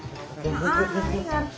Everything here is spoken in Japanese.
ああありがと。